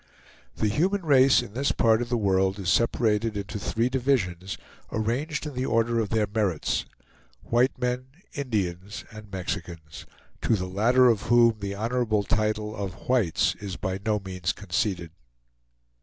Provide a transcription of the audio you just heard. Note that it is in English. The human race in this part of the world is separated into three divisions, arranged in the order of their merits; white men, Indians, and Mexicans; to the latter of whom the honorable title of "whites" is by no means conceded.